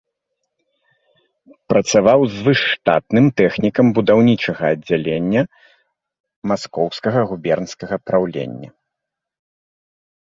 Працаваў звышштатным тэхнікам будаўнічага аддзялення маскоўскага губернскага праўлення.